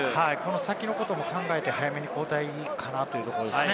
先のことも考えて早めに交代かなというところですね。